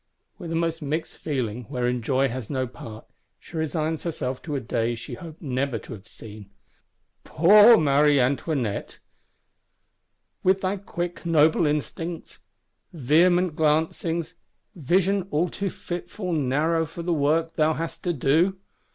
With a most mixed feeling, wherein joy has no part, she resigns herself to a day she hoped never to have seen. Poor Marie Antoinette; with thy quick noble instincts; vehement glancings, vision all too fitful narrow for the work thou hast to do!